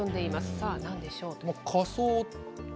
さあ、なんでしょう？